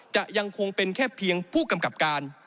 ยังคงเป็นแค่เพียงผู้กำกับการ